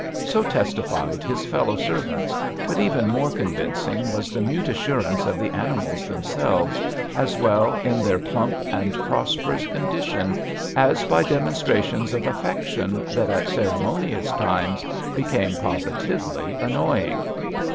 So testified his fellow servants, but even more convincing was the mute assurance of the animals themselves, as well, in their plump and prosperous condition, as by demonstrations of affection that at cere monious times became positively annoying.